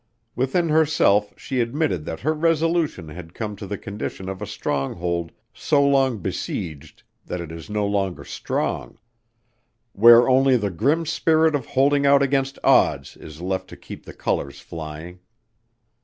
Within herself she admitted that her resolution had come to the condition of a stronghold so long besieged that it is no longer strong: where only the grim spirit of holding out against odds is left to keep the colors flying.